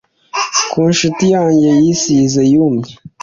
Ku nshuti yanjye yasize yumye